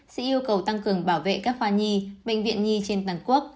sẽ yêu cầu tăng cường bảo vệ các khoa nhi bệnh viện nhi trên toàn quốc